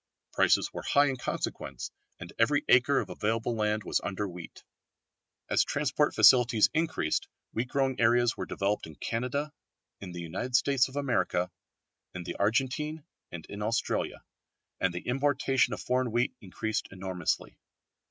Prices were high in consequence and every acre of available land was under wheat. As transport facilities increased wheat growing areas were developed in Canada, in the Western States of America, in the Argentine, and in Australia, and the importation of foreign wheat increased enormously.